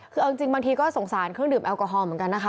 คือเอาจริงบางทีก็สงสารเครื่องดื่มแอลกอฮอลเหมือนกันนะคะ